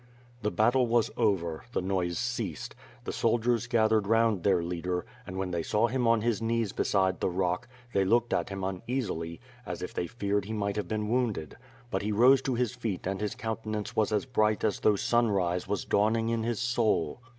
339 The battle was over; the noise ceased; the soldiers gath ered round their leader and, when they saw him on his knees beside the rock, they looked at him uneasily, as if they feared he might have been wounded. But he rose to his feet and his countenance was as bright as though sunrise was dawn ing in his soul.